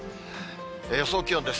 予想気温です。